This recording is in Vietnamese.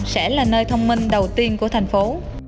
sẽ là nơi thông minh đầu tiên của thành phố